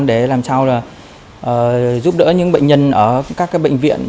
để làm sao giúp đỡ những bệnh nhân ở các bệnh viện